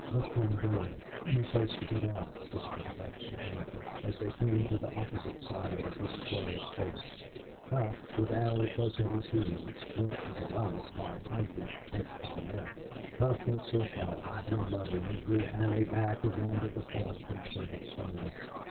"Look for a door any place to get out," whispered Hough to Ancliffe, as they came to the opposite side of this square space. Hough, with Allie close at his heels, went to the right while Ancliffe went to the left. Hough went so far, then muttering, drew Allie back again to the point whence they had started.